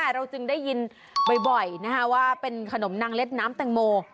เราจึงได้ยินบ่อยว่าเป็นขนมนางเล็ดน้ำแตงโม